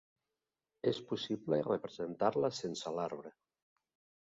És possible representar-la sense l’arbre.